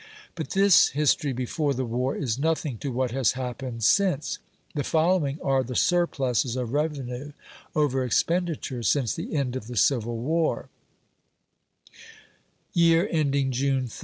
But this history before the war is nothing to what has happened since. The following are the surpluses of revenue over expenditure since the end of the Civil War: Year ending June 30.